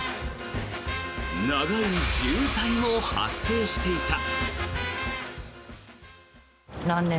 長い渋滞も発生していた。